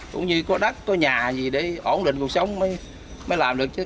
cũng như có đất có nhà gì để ổn định cuộc sống mới làm được chứ